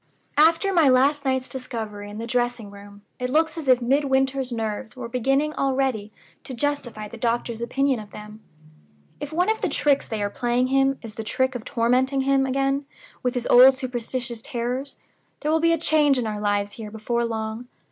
"After my last night's discovery in the dressing room, it looks as if Midwinter's nerves were beginning already to justify the doctor's opinion of them. If one of the tricks they are playing him is the trick of tormenting him again with his old superstitious terrors, there will be a change in our lives here before long.